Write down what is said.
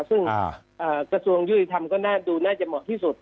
ซึ่งกระทรวงยุติธรรมก็น่าดูน่าจะเหมาะที่สุด